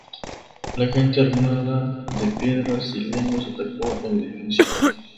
La gente, armada de piedras y leños, atacó el edificio.